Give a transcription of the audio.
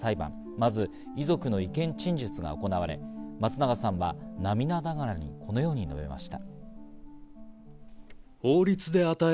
まず遺族の意見陳述が行われ、松永さんは涙ながらに、このように述べました。